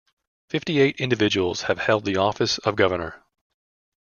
Fifty-eight individuals have held the office of governor.